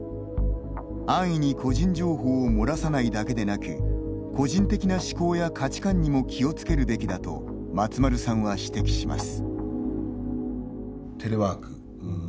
安易に個人情報を漏らさないだけでなく個人的な思考や価値観にも気をつけるべきだと松丸さんは指摘します。